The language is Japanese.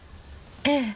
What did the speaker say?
ええ。